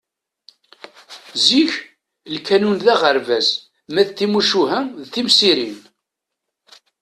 Zik, lkanun d aɣerbaz ma d timucuha d timsirin.